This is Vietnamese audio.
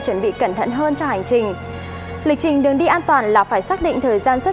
chuẩn bị cẩn thận hơn cho hành trình lịch trình đường đi an toàn là phải xác định thời gian xuất